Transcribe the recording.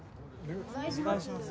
・お願いします。